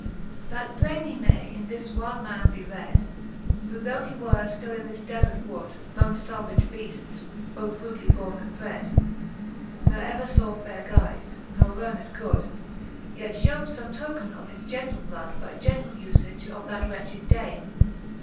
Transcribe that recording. That plainely may in this wyld man be red, Who though he were ftill in this defert wood, Mongft Salvage beafts, both rudely borne and bred,^ Ne ever faw faire guize^ ne learned good. Yet fhewd fome token of his gentle blood, By gentle ufage of that wretched dame..